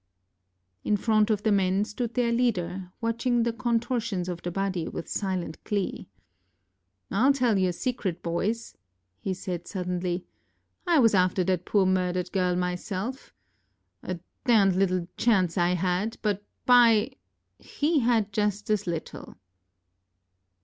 In front of the men stood their leader, watching the contortions of the body with silent glee. ŌĆ£IŌĆÖll tell you a secret, boys, ŌĆØ he said suddenly. ŌĆ£I was after that poor murdered girl myself. A d little chance I had; but, by , he had just as little!